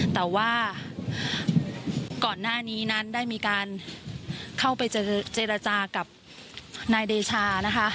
แต่ว่าก่อนหน้านี้นั้นได้มีการเข้าไปเจรจากับนายเดชานะคะ